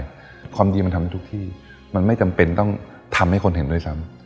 ความดีมันทำได้ทุกที่มันไม่จำเป็นต้องทำให้คนเห็นด้วยซ้ำ